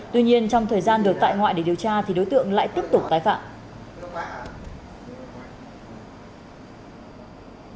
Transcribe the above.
tuy nhiên trong thời gian được tại ngoại để điều tra thì đối tượng lại tiếp tục tái phạm